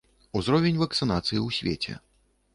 Узровень вакцынацыі ў свеце.